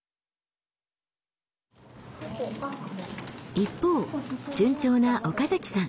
一方順調な岡崎さん。